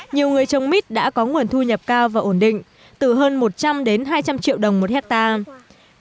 nhiều người trồng mít đã có nguồn thu nhập cao và ổn định từ hơn một trăm linh đến hai trăm linh triệu đồng một hectare